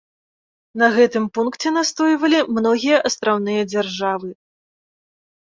На гэтым пункце настойвалі многія астраўныя дзяржавы.